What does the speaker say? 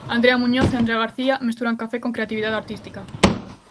Andrea Muñoz e Andrea García mesturan café con creatividade artística.